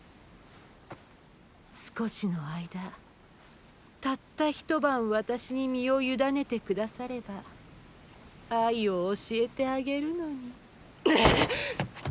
少しの間ッたった一晩私に身を委ねて下さればッ愛を教えてあげるのに。